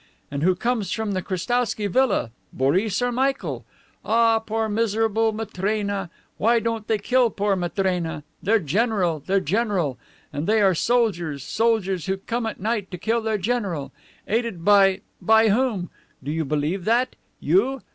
And who comes from the Krestowsky Villa! Boris or Michael! Ah, poor miserable Matrena! Why don't they kill poor Matrena? Their general! Their general! And they are soldiers soldiers who come at night to kill their general. Aided by by whom? Do you believe that? You?